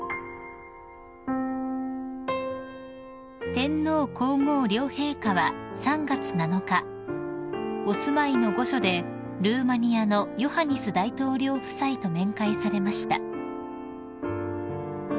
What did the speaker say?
［天皇皇后両陛下は３月７日お住まいの御所でルーマニアのヨハニス大統領夫妻と面会されました］